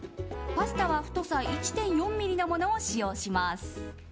パスタは太さ１．４ｍｍのものを使用します。